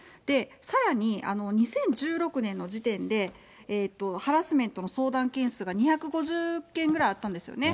さらに、２０１６年の時点で、ハラスメントの相談件数が２５０件ぐらいあったんですよね。